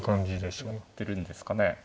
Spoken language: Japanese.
終わってるんですかね。